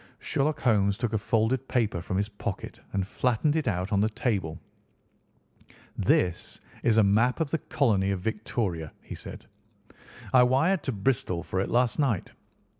Sherlock Holmes took a folded paper from his pocket and flattened it out on the table. "This is a map of the Colony of Victoria," he said. "I wired to Bristol for it last night."